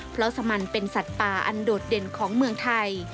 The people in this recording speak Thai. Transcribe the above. เพราะสมันเป็นสัตว์ป่าอันโดดเด่นของเมืองไทย